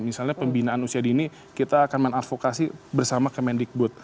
misalnya pembinaan usia dini kita akan mengadvokasi bersama kemendikbud